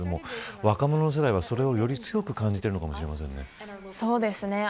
若者世代は、それをより強く感じているのかもしれませんね。